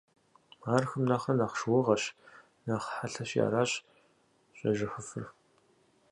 Ар хым нэхърэ нэхъ шыугъэщ, нэхъ хъэлъэщи аращ щӏежэхыфыр.